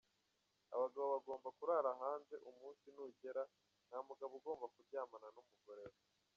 Abagabo bagomba kurara hanze, umunsi nugera, nta mugabo ugomba kuryamana n’umugore we.